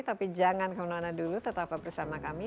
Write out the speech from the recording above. tapi jangan kemana mana dulu tetap bersama kami